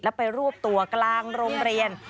แล้วไปรวบตัวกลางโรงเรียน